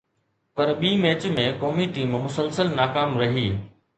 پر ٻئي ميچ ۾ قومي ٽيم مسلسل ناڪام رهي.